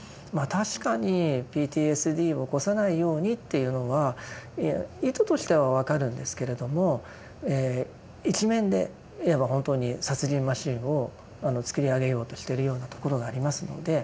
確かにＰＴＳＤを起こさないようにっていうのは意図としては分かるんですけれども一面でいえば本当に殺人マシーンを作り上げようとしてるようなところがありますので。